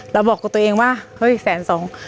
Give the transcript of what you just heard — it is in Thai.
บอกกับตัวเองว่าเฮ้ยแสนสอง